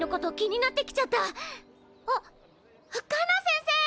あっカナ先生！